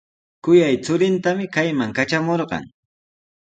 Kuyay churintami kayman katramurqan.